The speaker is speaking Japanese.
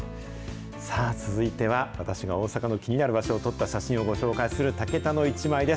さあ、続いては、私が大阪の気になる所を撮った写真をご紹介するタケタのイチマイです。